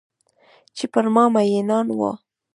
چې پر ما میینان وه